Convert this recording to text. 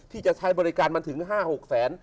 ที่จะใช้บริการมันถึง๕๖แสน